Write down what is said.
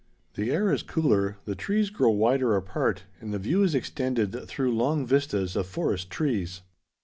The air is cooler, the trees grow wider apart, and the view is extended through long vistas of forest trees.